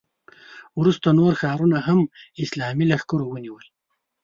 وروسته نور ښارونه هم اسلامي لښکرو ونیول.